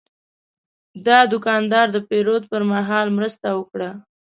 دا دوکاندار د پیرود پر مهال مرسته وکړه.